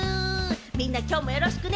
みんな、きょうもよろしくね。